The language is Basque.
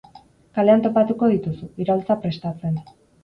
Kalean topatuko dituzu, iraultza prestatzen.